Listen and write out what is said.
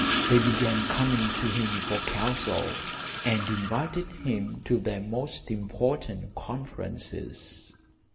They began coming to him for counsel, and invited him to their most important conferences.